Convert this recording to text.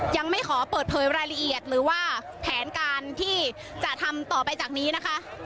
ยังไม่ขอเปิดเผยรายละเอียดหรือว่าแผนการที่จะทำต่อไปจากนี้นะคะ